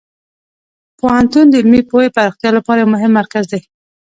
پوهنتون د علمي پوهې پراختیا لپاره یو مهم مرکز دی.